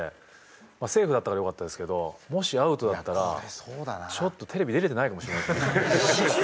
まあセーフだったからよかったですけどもしアウトだったらちょっとテレビ出れてないかもしれないですね。